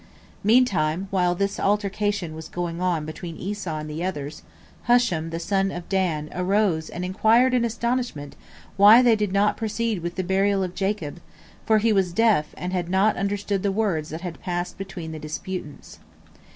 Meantime, while this altercation was going on between Esau and the others, Hushim the son of Dan arose and inquired in astonishment why they did not proceed with the burial of Jacob, for he was deaf and had not understood the words that had passed between the disputants.